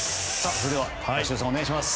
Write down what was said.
それでは鷲尾さん、お願いします。